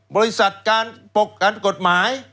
บริษัทการปกกฎหมาย